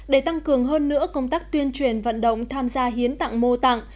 để tăng cường hơn nữa công tác tuyên truyền vận động tham gia hiến tặng mô tặng